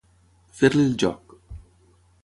Fer-li el joc.